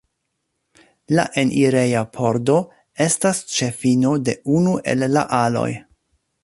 La enireja pordo estas ĉe fino de unu el la aloj.